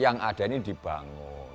yang ada ini dibangun